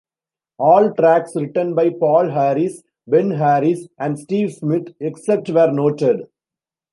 All tracks written by Paul Harris, Ben Harris, and Steve Smith, except where noted.